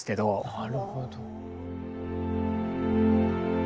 なるほど。